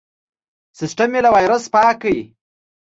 سیستم مې له وایرس پاک کړ.